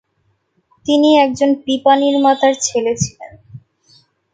তিনি একজন পিপানির্মাতার ছেলে ছিলেন।